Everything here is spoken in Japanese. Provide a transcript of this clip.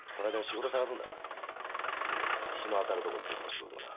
今度は陽の当たるところでできる仕事をな。